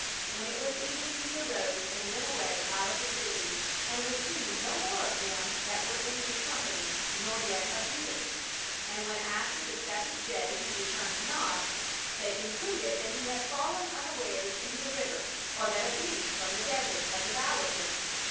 When it was evening he arose and went away out of the city, and was seen no more of them that were in his com pany, nor yet of Judas. And when after the seventh day he returned not, they concluded that he had fallen unawares into the river, or that a beast from the desert had devoured him.